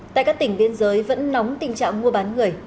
tại các tỉnh biên giới vẫn nóng tình trạng mua bán người